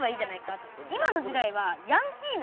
今の時代はヤンキーなんですよ。